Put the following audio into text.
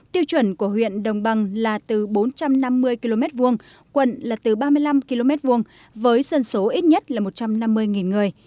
tiêu chuẩn của huyện đồng bằng là từ bốn trăm năm mươi km hai quận là từ ba mươi năm km hai với dân số ít nhất là một trăm năm mươi người